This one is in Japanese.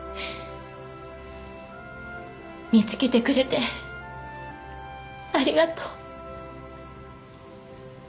見つけてくれてありがとう。